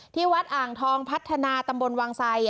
ที่วัดอ่างทองพัฒนาตำบลวังไซ